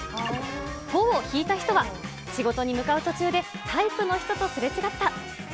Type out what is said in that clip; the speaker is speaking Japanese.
５を引いた人は、仕事に向かう途中でタイプの人とすれ違った。